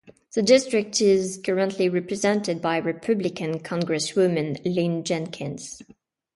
The district is currently represented by Republican congresswoman Lynn Jenkins.